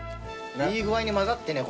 いい具合に混ざってね